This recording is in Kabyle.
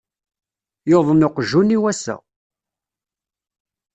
Yuḍen uqjun-iw ass-a.